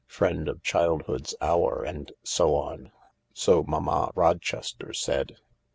Friend of child hood's hour, and so on, so Mamma Rochester said."